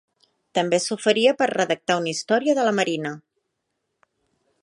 També s'oferia per a redactar una història de la Marina.